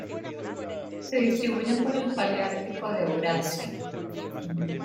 Se distribuyen por el paleártico de Eurasia.